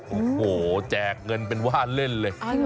โอ้โหแจกเงินเป็นว่าเล่นเลย